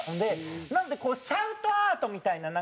なのでシャウトアートみたいななんか。